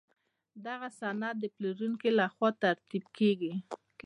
دغه سند د پلورونکي له خوا ترتیب کیږي.